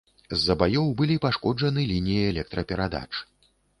З-за баёў былі пашкоджаны лініі электраперадач.